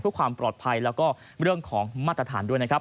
เพื่อความปลอดภัยแล้วก็เรื่องของมาตรฐานด้วยนะครับ